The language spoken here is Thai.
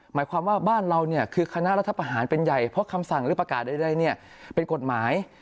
หมายความว่าบ้านเราเนี่ยคือคณะรัฐประหารเป็นใหญ่เพราะคำสั่งหรือประกาศใดเป็นกฎหมาย